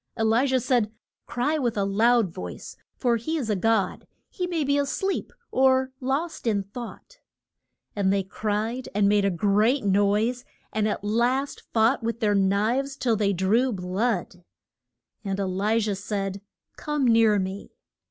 E li jah said, Cry with a loud voice for he is a god. He may be a sleep, or lost in thought. [Illustration: THE LIT TLE CLOUD.] And they cried, and made a great noise, and at last fought with their knives till they drew blood. And E li jah said, Come near me.